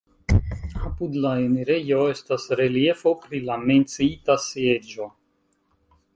Apud la enirejo estas reliefo pri la menciita sieĝo.